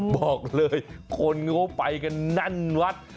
บอกเลยคนเขาไปกันแน่นวัด